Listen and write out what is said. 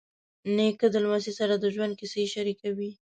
نیکه له لمسي سره د ژوند کیسې شریکوي.